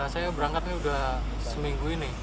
saya berangkat seminggu ini